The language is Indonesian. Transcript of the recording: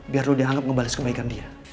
biar lo dianggep ngebales kebaikan dia